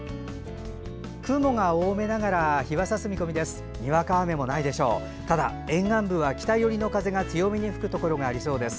雲が多めながら日は差す見込みです。